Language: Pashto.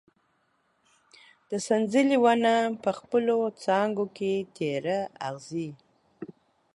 د سنځلې ونه په خپلو څانګو کې تېره اغزي